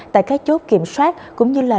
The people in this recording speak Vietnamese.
tại các chốt kiểm soát cũng như là